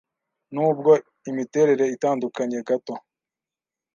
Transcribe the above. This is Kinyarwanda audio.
Nubwo imiterere itandukanye gato,